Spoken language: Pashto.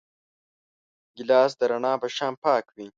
ګیلاس د رڼا په شان پاک وي.